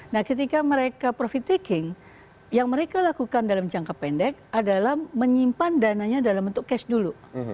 nah ketika mereka profit taking yang mereka lakukan dalam jangka pendek adalah menyimpan dananya dalam bentuk cash dulu